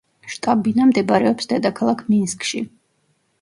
შტაბ-ბინა მდებარეობს დედაქალაქ მინსკში.